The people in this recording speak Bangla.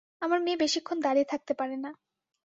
আমার মেয়ে বেশিক্ষণ দাঁড়িয়ে থাকতে পারে না।